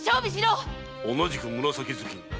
同じく紫頭巾。